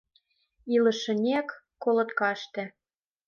Илышынек — колоткаште...